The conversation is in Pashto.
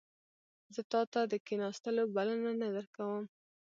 زه تا ته د کښیناستلو بلنه نه درکوم